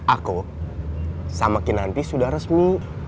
aku sama kinanti sudah resmi